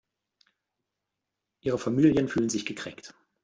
Ihre Familien fühlen sich gekränkt.